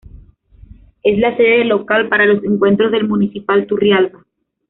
Es la sede de local para los encuentros del Municipal Turrialba.